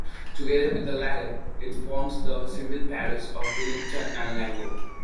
Together with the latter, it forms the civil parish of Billington and Langho.